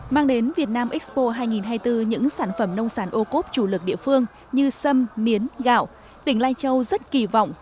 mang đến việt nam expo hai nghìn hai mươi bốn những sản phẩm nông sản ô cốp chủ lực địa phương như sâm miến gạo tỉnh lai châu rất kỳ vọng